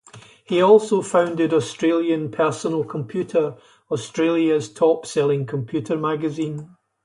He also founded "Australian Personal Computer", Australia's top-selling computer magazine.